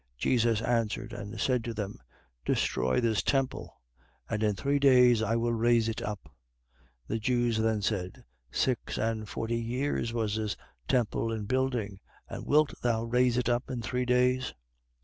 2:19. Jesus answered and said to them: Destroy this temple; and in three days I will raise it up. 2:20. The Jews then said: Six and forty years was this temple in building; and wilt thou raise it up in three days?